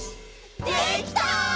「できた！」